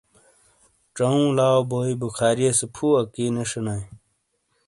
چؤوں لاؤ بوئے بخاریئے سے پھو اکی نے شئنائے۔